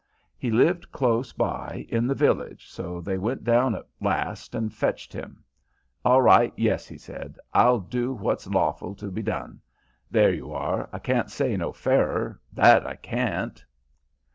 He lived close by in the village so they went down at last and fetched him. "'Alright, yes,' he said, 'I'll do what's lawful to be done. There you are, I can't say no fairer, that I can't.'